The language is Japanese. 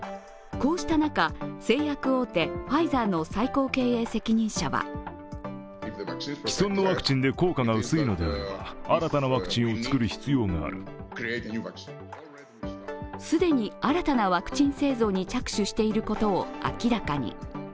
こうした中、製薬大手ファイザーの最高経営責任者は既に新たなワクチン製造に着手していることを明らかに。